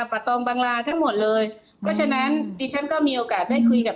ประตองบังลาทั้งหมดเลยเพราะฉะนั้นดิฉันก็มีโอกาสได้คุยกับ